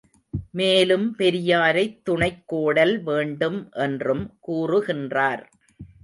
மேலும் பெரியாரைத் துணைக்கோடல் வேண்டும் என்றும் கூறுகின்றார்.